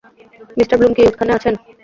Mr Bloom কি ওখানে আছেন?